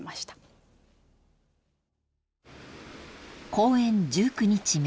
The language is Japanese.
［公演１９日目］